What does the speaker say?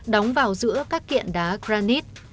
đóng vào giữa các kiện đá granite